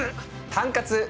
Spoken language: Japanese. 「タンカツ」。